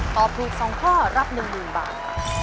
ตอบถูกสองข้อรับ๑๑บาท